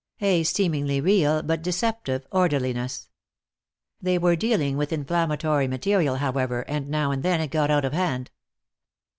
A seemingly real but deceptive orderliness. They were dealing with inflammatory material, however, and now and then it got out of hand.